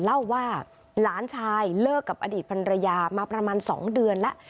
เล่าว่าหลานชายเลิกกับอดีตพันรยามาประมาณ๒เดือนแล้ว